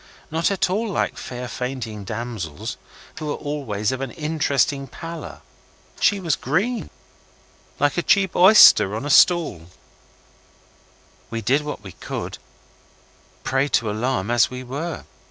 Not at all like fair fainting damsels, who are always of an interesting pallor. She was green, like a cheap oyster on a stall. We did what we could, a prey to alarm as we were.